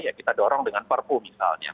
ya kita dorong dengan perpu misalnya